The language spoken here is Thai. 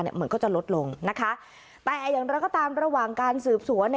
มันก็จะลดลงนะคะแต่อย่างไรก็ตามระหว่างการสืบสวน